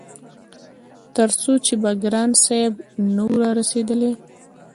تر څو چې به ګران صاحب نه وو رارسيدلی-